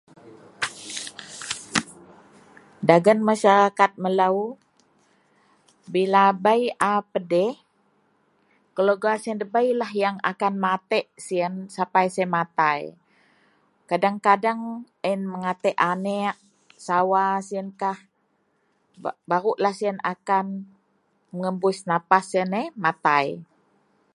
dagen masyarakat melou bila bei a pedeh keluarga sien debeilah yang akan matek sien sapai sien matai, kadeng-kadeng aien matek aniek sawa sienkah baruklah sien akan menghembus nafas sien yeh matai